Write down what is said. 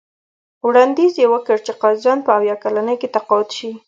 وړاندیز یې وکړ چې قاضیان په اویا کلنۍ کې تقاعد شي.